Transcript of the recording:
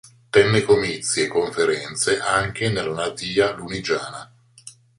Tenne comizi e conferenze anche nella natia Lunigiana.